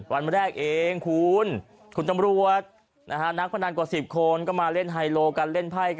เดินไปที่แล้วจ่ายค่าเปิดทางวันละ๕บาทแล้ว